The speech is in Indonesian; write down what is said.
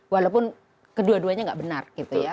walaupun kedua duanya nggak benar gitu ya